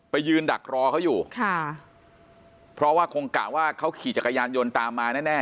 ยืนดักรอเขาอยู่ค่ะเพราะว่าคงกะว่าเขาขี่จักรยานยนต์ตามมาแน่แน่